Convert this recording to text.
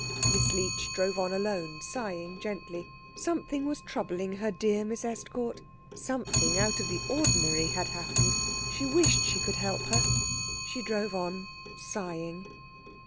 Miss Leech drove on alone, sighing gently. Something was troubling her dear Miss Estcourt. Something out of the ordinary had happened. She wished she could help her. She drove on, sighing.